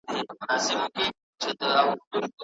پسرلي صاحب د پښتو د رنګینې شاعرۍ یو بې ساري استازی دی.